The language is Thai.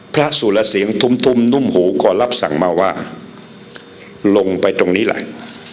พระสุรเสียงทุ่มนุ่มหู่ก่อนรับสั่งมาว่าลงไปตรงนี้แหละ